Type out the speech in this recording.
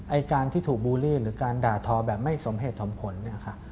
ไอ้การที่ถูกบูลลี่หรือการด่าทอแบบไม่สมเหตุสมผลเนี่ยค่ะ